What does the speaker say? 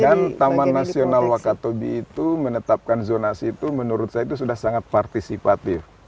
dan taman nasional wakatobi itu menetapkan zonasi itu menurut saya itu sudah sangat partisipatif